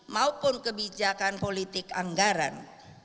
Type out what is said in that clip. maupun kebijakan politik anggaran